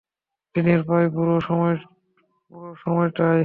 দিনের প্রায় পুরো সময়টাই।